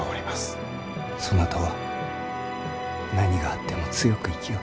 そなたは何があっても強く生きよ。